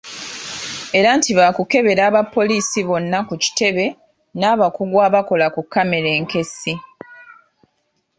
Era nti baakukebera abapoliisi bonna ku kitebe n’abakugu abakola ku kkamera enkessi.